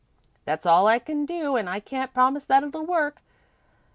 That's all I can do an' I can't promise that it'll work.